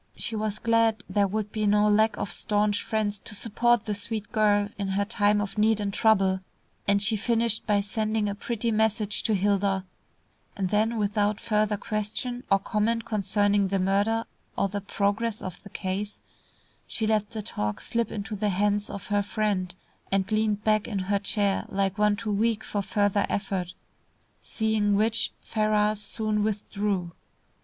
She was glad there would be no lack of staunch friends to support the sweet girl in her time of need and trouble, and she finished by sending a pretty message to Hilda, and then without further question or comment concerning the murder or the progress of the case, she let the talk slip into the hands of her friend, and leaned back in her chair like one too weak for further effort, seeing which Ferrars soon withdrew.